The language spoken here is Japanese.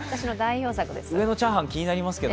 上のチャーハン気になりますけど。